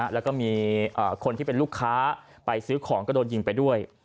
แล้วก็มีคนที่เป็นลูกค้าไปซื้อของก็โดนยิงไปด้วย